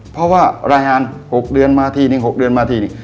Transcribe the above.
เพราะว่ารายงาน๖เดือนมาทีนึง๖เดือนมาทีนึง